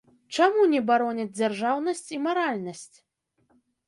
Чаму не бароняць дзяржаўнасць і маральнасць?